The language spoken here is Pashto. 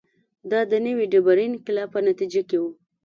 دا د نوې ډبرې انقلاب په نتیجه کې و